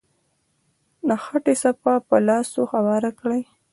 د خټې صفحه په لاسو هواره کړئ.